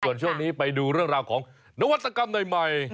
ส่วนช่วงนี้ไปดูเรื่องราวของนวัตกรรมหน่อยใหม่